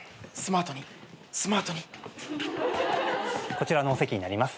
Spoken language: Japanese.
こちらのお席になります。